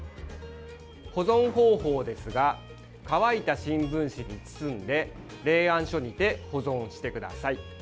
保存方法ですが乾いた新聞紙に包んで冷暗所にて保存してください。